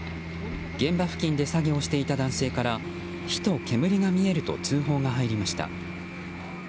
現場付近で作業をしていた男性から火と煙が見えると通報が入りました。